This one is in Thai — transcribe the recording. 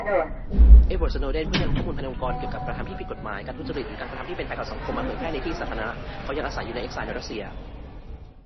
เอ็ดวาร์ด สโนเดน ผู้ที่นำข้อมูลภายในองค์กรเกี่ยวกับกระทำที่ผิดกฏหมาย การทุจริต หรือการกระทำที่เป็นภัยต่อสังคมมาเผยแพร่ในที่สาธารณ เขายังอาศัยอยู่ในเอ็กไซล์ในรัสเซีย